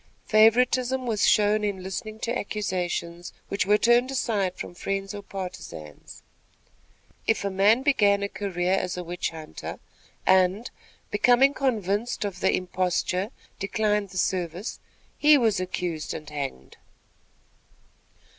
Favoritism was shown in listening to accusations, which were turned aside from friends or partisans. If a man began a career as a witch hunter, and, becoming convinced of the imposture, declined the service, he was accused and hanged.